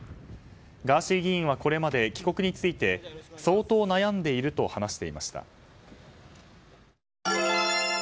ガーシー議員はこれまで、帰国について相当悩んでいると話していました。